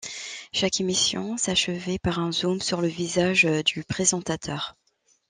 Chaque émission s'achevait par un zoom sur le visage du présentateur.